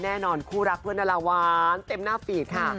แน่นอนคู่รับเพื่อนนารวาลเต็มหน้าฝีกค่ะ